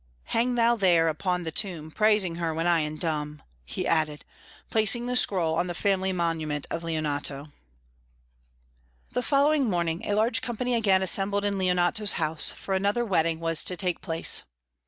"Hang thou there upon the tomb, praising her when I am dumb," he added, placing the scroll on the family monument of Leonato. The following morning a large company again assembled in Leonato's house, for another wedding was to take place.